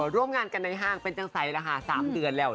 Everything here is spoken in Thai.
ร่วมงานกันในห้างเป็นจังใสแล้วค่ะ๓เดือนแล้ว